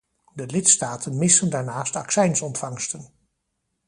De lidstaten missen daarnaast accijnsontvangsten.